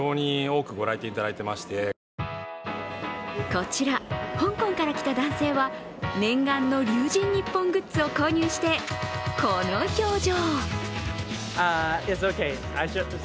こちら香港から来た男性は念願の龍神ＮＩＰＰＯＮグッズを購入して、この表情。